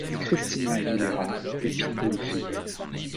Christina Aguilera et Pitbull feat.